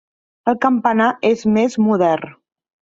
El campanar és més modern.